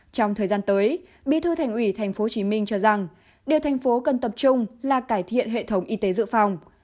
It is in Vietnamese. trong thời gian tới bí thư thành ủy tp hcm cho rằng điều thành phố cần tập trung là cải thiện hệ thống y tế dự phòng